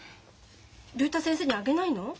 竜太先生にあげないの？